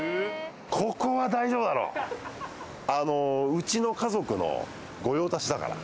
うちの家族の御用達だから。